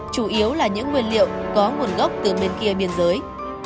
chủ yếu là những nguyên liệu có nguồn gốc từ bên kia biên giới